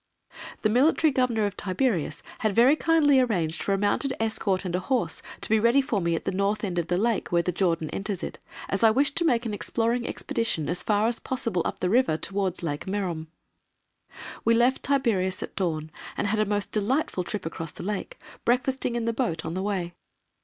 The Military Governor of Tiberias had very kindly arranged for a mounted escort and a horse to be ready for me at the north end of the Lake where the Jordan enters it, as I wished to make an exploring expedition as far as possible up the river towards Lake Merom. We left Tiberias at dawn and had a most delightful trip across the Lake, breakfasting in the boat on the way.